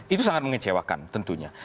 itu sangat mengecewakan tentunya